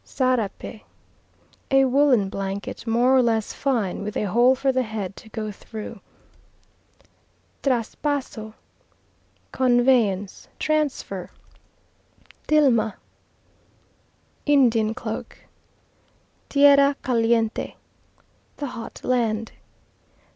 Sarape A woollen blanket more or less fine, with a hole for the head to go through. Traspaso Conveyance, transfer. Tilma Indian cloak. Tierra caliente The hot land.